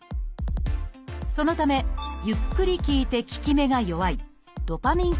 そのためゆっくり効いて効き目が弱いドパミン